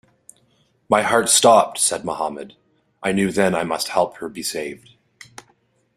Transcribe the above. "My heart stopped," said Mohammed, "I knew then I must help her be saved.